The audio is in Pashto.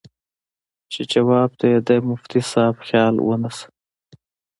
چې جواب ته ئې د مفتي صېب خيال ونۀ شۀ